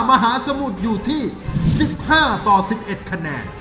มหาสมุทรอยู่ที่๑๕ต่อ๑๑คะแนน